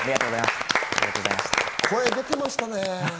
声出てましたね。